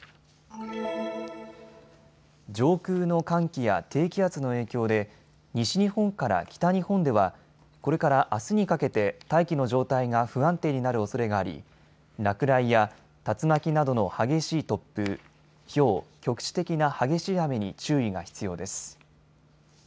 上空の寒気や低気圧の影響で西日本から北日本ではこれからあすにかけて大気の状態が不安定になるおそれがあり落雷や竜巻などの激しい突風、ひょう、局地的な激しい雨に注意が必要です。